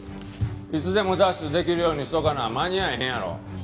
いつでもダッシュできるようにしとかな間に合えへんやろ？